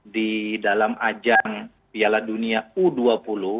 di dalam ajang piala dunia u dua puluh